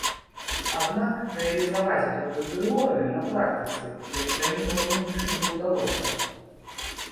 Аднак рэалізаваць гэту тэорыю на практыцы яшчэ ніводнай мышы не ўдалося.